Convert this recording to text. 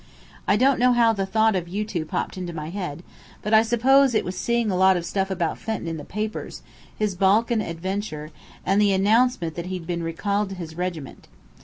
I don't know how the thought of you two popped into my head, but I suppose it was seeing a lot of stuff about Fenton in the papers, his Balkan adventure, and the announcement that he'd been recalled to his regiment.